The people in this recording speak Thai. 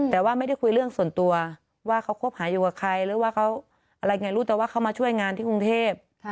แต่ว่าไม่ได้คุยเรื่องส่วนตัวว่าเขาคบหาอยู่กับใครหรือว่าเขาอะไรไงรู้แต่ว่าเขามาช่วยงานที่กรุงเทพ